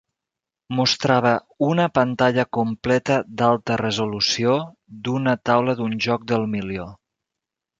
Mostrava una pantalla completa d'alta resolució d'una taula d'un joc del milió.